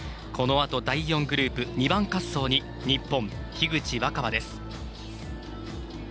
このあと第４グループ２番滑走に日本、樋口新葉です。